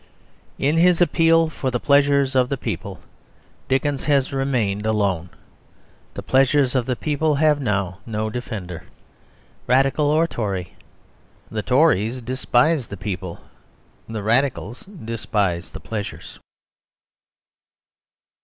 In his appeal for the pleasures of the people, Dickens has remained alone. The pleasures of the people have now no defender, Radical or Tory. The Tories despise the people. The Radicals despise the pleasures.